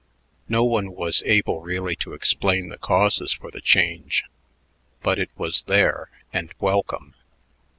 No one was able really to explain the causes for the change, but it was there and welcome.